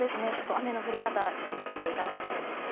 雨の降り方に気を付けていただきたいんです。